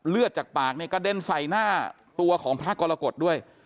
เลือดจากปากเนี่ยกระเด็นใส่หน้าตัวของพระกรกฎด้วย